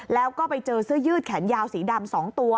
แล้วก็ไปเจอเสื้อยืดแขนยาวสีดำ๒ตัว